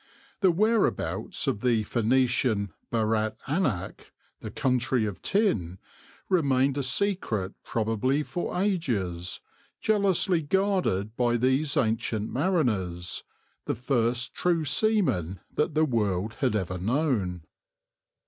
The whereabouts of the Phoenician Barat Anac, the Country of Tin, remained a secret probably for ages, jealously guarded by these ancient mariners, the first true seamen that the world had ever known.